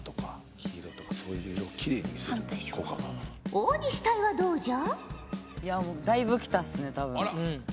大西隊はどうじゃ？